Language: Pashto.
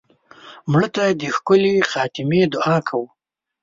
مړه ته د ښکلې خاتمې دعا کوو